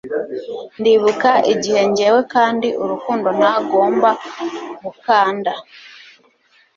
ndibuka igihe njyewe kandi urukundo ntagomba gukanda